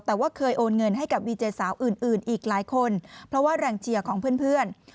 แต่ว่าเคยโอนเงินให้กับดีเจสาวอื่นอีกหลายคนเพราะว่าแรงเชียร์ของเพื่อน